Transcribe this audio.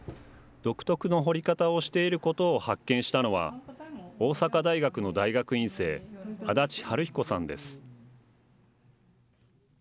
独特の掘り方をしていることを発見したのは、大阪大学の大学院生、足立晴彦さんです。